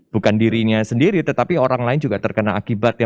bukan dirinya sendiri tetapi orang lain juga terkena akibatnya